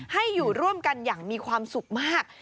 ให้อยู่ร่วมกันอย่างมีความสุขมาก